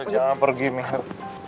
mir jangan pergi mir